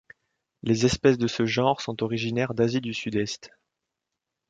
Les espèces de ce genre sont originaires d'Asie du Sud-Est.